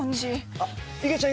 あっいげちゃん